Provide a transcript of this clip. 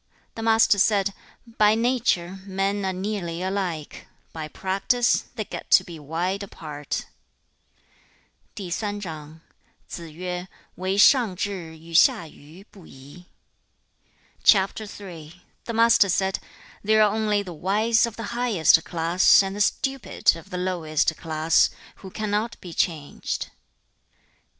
The Master said, 'By nature, men are nearly alike; by practice, they get to be wide apart.' CHAP. III. The Master said, 'There are only the wise of the highest class, and the stupid of the lowest class, who cannot be changed.'